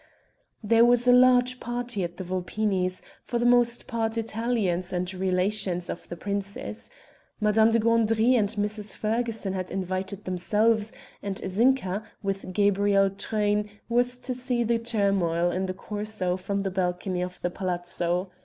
There was a large party at the Vulpinis', for the most part Italians and relations of the prince's. Madame de Gandry and Mrs. Ferguson had invited themselves, and Zinka, with Gabrielle Truyn, was to see the turmoil in the Corso from the balcony of the palazzo.